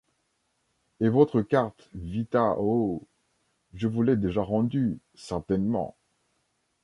Et votre carte vita– oh ! je vous l’ai déjà rendue, certainement.